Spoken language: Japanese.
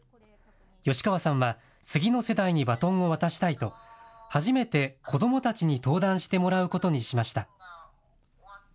吉川さんは次の世代にバトンを渡したいと初めて子どもたちに登壇してもらうことにしました。